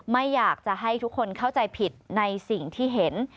ไม่อยากจะให้ทุกคนเข้าใจผิดในสิ่งที่เห็น